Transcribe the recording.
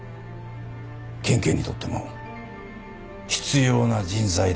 県警にとっても必要な人材だってね。